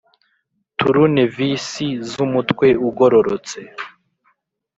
Turunevisi z umutwe ugororotse